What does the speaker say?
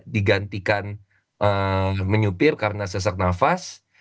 di gantikan menyupir karena sesak nafas